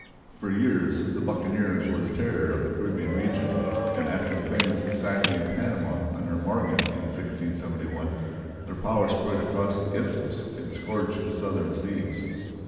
For years the buccaneers were the terror of the Caribbean region, and after the famous sacking of Panama, under Morgan, in 1671, their power spread across the Isthmus and scourged the southern seas.